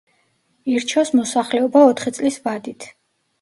ირჩევს მოსახლეობა ოთხი წლის ვადით.